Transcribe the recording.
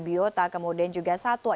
biota kemudian juga satwa